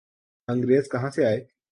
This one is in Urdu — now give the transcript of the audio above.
انگریز کہاں سے آئے؟